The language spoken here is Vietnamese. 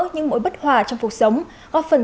những mối bất hòa trong cuộc sống góp phần